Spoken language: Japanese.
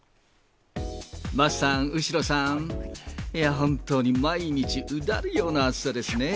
桝さん、後呂さん、いや本当に毎日うだるような暑さですね。